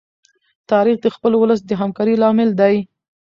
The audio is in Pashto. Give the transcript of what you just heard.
تاریخ د خپل ولس د همکارۍ لامل دی.